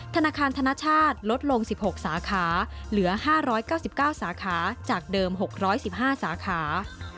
ธนาคารธนชาติลดลง๑๖สาขาเหลือ๕๙๙สาขาจากเดิม๖๑๕สาขา